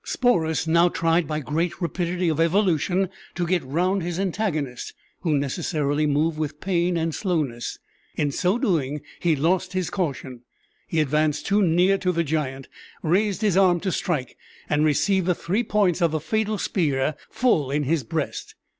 Sporus now tried by great rapidity of evolution to get round his antagonist, who necessarily moved with pain and slowness. In so doing he lost his caution he advanced too near to the giant raised his arm to strike, and received the three points of the fatal spear full in his breast!